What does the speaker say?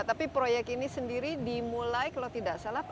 tapi proyek ini sendiri dimulai kalau tidak salah tahun dua ribu tujuh belas